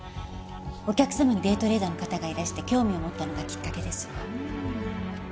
お客様にデイトレーダーの方がいらして興味を持ったのがきっかけです。